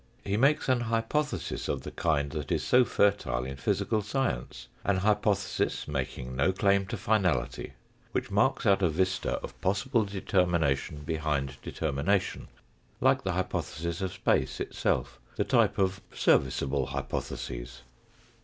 He makes an hypothesis of the kind that is so fertile in physical science an hypothesis making no claim to finality, which marks out a vista of possible determination behind determination, like the hypothesis of space itself, the type of serviceable hypotheses.